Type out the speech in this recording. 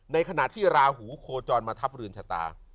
ในขณะที่ราหูโคจรมาทับเรือนชะตา